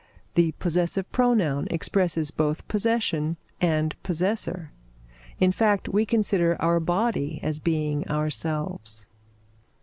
The possessive pronoun expresses both possession and possessor. In fact, we consider our body as being ourselves.